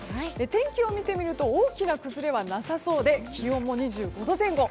天気を見てみると大きな崩れはなさそうで気温も２５度前後。